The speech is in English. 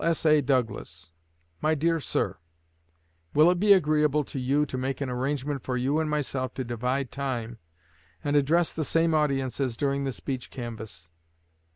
S.A. DOUGLAS My Dear Sir: Will it be agreeable to you to make an arrangement for you and myself to divide time, and address the same audiences during the present canvass?